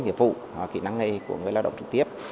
nghiệp vụ kỹ năng nghề của người lao động trực tiếp